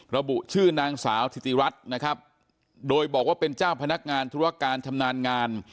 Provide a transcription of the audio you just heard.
ระบุชื่อนางสาวธิติรัฐนะครับโดยบอกว่าเป็นเจ้าพนักงานธุรการชำนาญงาน